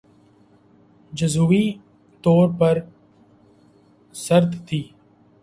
جزوی طور پر سرد تھِی